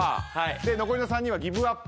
で残りの３人はギブアップ。